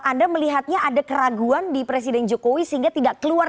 mas bas anda melihatnya ada keraguan di presiden jokowi sehingga tidak keluarga